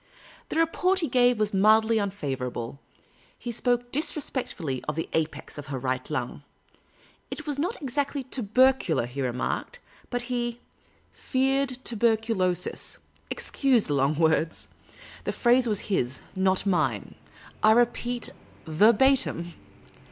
The report he gave was mildly unfavourable. He spoke disrespectfully of the apex of her right lung. It was not exactly tubercular, he remarked, but he "feared tuberculosis" — excuse the long words; the phrase was his, not mine ; I repeat verbatim.